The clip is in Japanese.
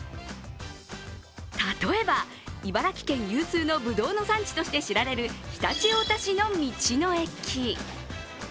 例えば茨城県有数のぶどうの産地として知られる常陸太田市の道の駅。